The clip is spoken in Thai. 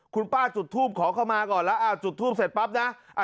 คุณป้าจุดทูปขอเข้ามาก่อนแล้วจุดทูปเสร็จปั๊บนะ